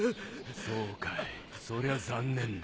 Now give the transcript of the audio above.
そうかいそりゃ残念だ。